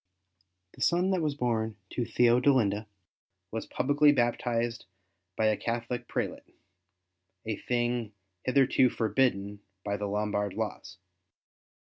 The son that was born to TheodeHnda was pubHcly baptized by a CathoHc prelate, a thing hitherto forbidden by the Lombard laws.